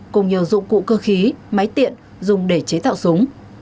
cùng nhiều dụng cụ cơ khí máy tiện dùng để chế tạo súng